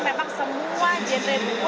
memang semua genre buku